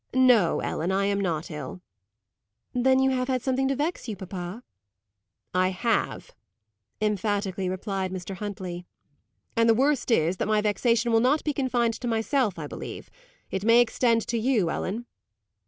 "No, Ellen, I am not ill." "Then you have had something to vex you, papa?" "I have," emphatically replied Mr. Huntley. "And the worst is, that my vexation will not be confined to myself, I believe. It may extend to you, Ellen."